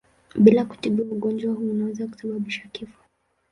Bila kutibiwa ugonjwa huu unaweza kusababisha kifo.